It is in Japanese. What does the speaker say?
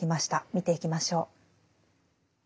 見ていきましょう。